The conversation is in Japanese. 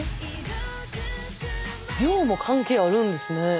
量も関係あるんですね。